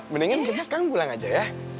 mendingan kita sekarang pulang aja ya